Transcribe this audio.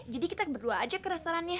jadi kita berdua aja ke restorannya